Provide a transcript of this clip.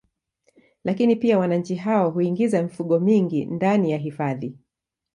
Lakini pia wananchi hawa huingiza mifugo mingi ndani ya hifadhi